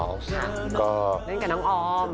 นะครับเล่นกับหนังออม